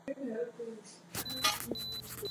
It doesn't matter whether you understand or not.